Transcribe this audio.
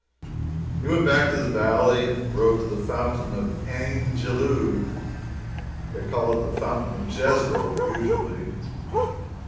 We went back to the valley, and rode to the Fountain of Ain Jelud. They call it the Fountain of Jezreel, usually.